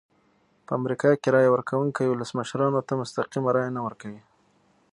په امریکا کې رایه ورکوونکي ولسمشرانو ته مستقیمه رایه نه ورکوي.